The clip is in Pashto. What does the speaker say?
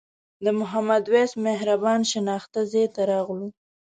د محمد وېس مهربان شناخته ځای ته راغلو.